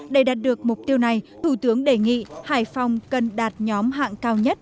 để đạt được mục tiêu này thủ tướng đề nghị hải phòng cần đạt nhóm hạng cao nhất